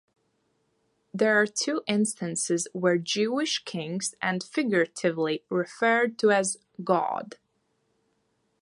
There are two instances where Jewish kings are figuratively referred to as a god.